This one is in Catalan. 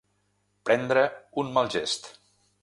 Prendre un mal gest.